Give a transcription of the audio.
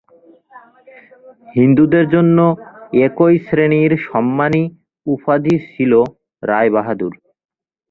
হিন্দুদের জন্য একই শ্রেণীর সম্মানী-উপাধী ছিলো রায় বাহাদুর।